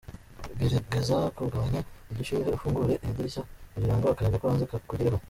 Gerageza kugabanya ubushyuhe ufungura idirishya kugira ngo akayaga ko hanze kakugereho.